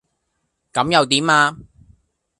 咁又點呀?